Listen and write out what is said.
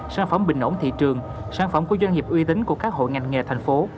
sản phẩm bình ổn thị trường sản phẩm của doanh nghiệp uy tín của các hội ngành nghề thành phố